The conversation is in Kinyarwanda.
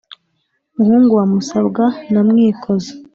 muhungu wa musabwa na mwikozi